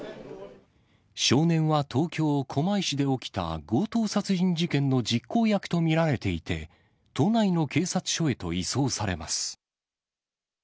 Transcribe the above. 少年は東京・狛江市で起きた、強盗殺人事件の実行役と見られていて、都内の警察署へと移送されます。